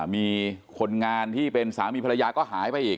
มีคนงานที่เป็นสามีภรรยาก็หายไปอีก